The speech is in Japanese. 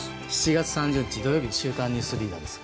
７月３０日、土曜日「週刊ニュースリーダー」です。